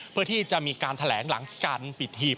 เพื่อที่จะมีการแถลงหลังการปิดหีบ